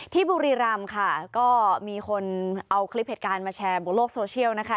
บุรีรำค่ะก็มีคนเอาคลิปเหตุการณ์มาแชร์บนโลกโซเชียลนะคะ